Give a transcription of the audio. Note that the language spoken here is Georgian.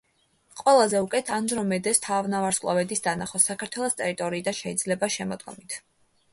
ყველაზე უკეთ ანდრომედეს თანავარსკვლავედის დანახვა, საქართველოს ტერიტორიიდან შეიძლება შემოდგომით.